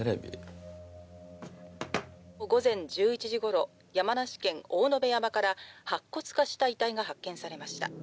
午前１１時ごろ山梨県大延山から白骨化した遺体が発見されました。